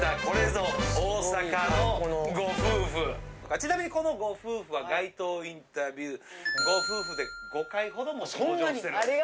ちなみにこのご夫婦は街頭インタビューご夫婦で５回ほどもう登場してるんです。